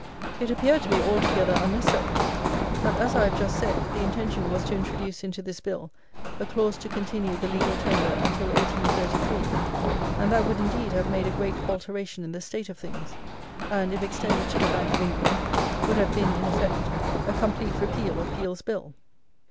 It appeared to be altogether unnecessary; but, as I have just said, the intention was to introduce into this Bill a clause to continue the legal tender until 1833; and that would, indeed, have made a great alteration in the state of things; and, if extended to the Bank of England, would have been, in effect, a complete repeal of Peel's Bill.